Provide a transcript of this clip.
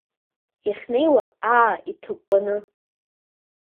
Иахьнеиуа, аа, иҭыкәкәаны.